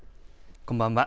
こんばんは。